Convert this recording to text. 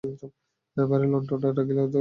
বাইরে লণ্ঠনটা রাখলে, যদি কুমু আসে।